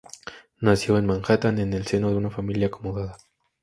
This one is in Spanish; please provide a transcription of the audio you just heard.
Nació en Manhattan en el seno de una familia acomodada.